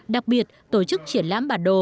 đặc biệt tổ chức triển lãm bản đồ